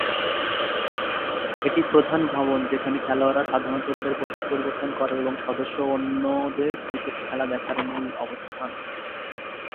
এটি প্রধান ভবন যেখানে খেলোয়াড়রা সাধারণত তাদের পোশাক পরিবর্তন করে এবং সদস্য ও অন্যদের ক্রিকেট খেলা দেখার মূল অবস্থান।